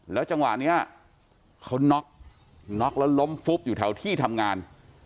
จังหวะนี้เขาน็อกน็อกแล้วล้มฟุบอยู่แถวที่ทำงาน